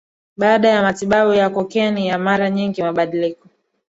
efrin Baada ya matibabu ya kokeni ya mara nyingi mabadiliko